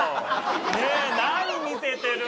ねえ何見せてるんだよ。